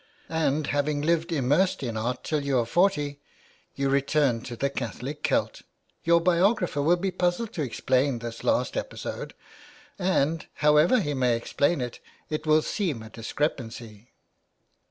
And having lived immersed in art till you're forty, you return to the Catholic Celt ! Your biographer will be puzzled to explain this last episode, and, however he may explain it, it will seem a discrepancy."